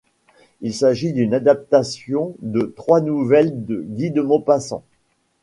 Il s'agit d'une adaptation de trois nouvelles de Guy de Maupassant.